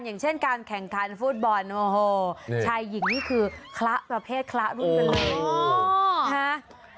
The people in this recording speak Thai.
อย่างเช่นการแข่งขันฟุตบอลโอ้โหชายหญิงนี่คือคละประเภทคละรุ่นกันเลย